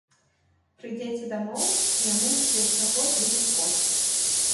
Прыйдзеце дамоў, і яму будзе ўсяго дзесяць год.